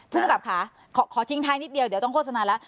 ผู้กระป๋าขอขอทิ้งทายนิดเดียวเดี๋ยวต้องโฆษณาแล้ว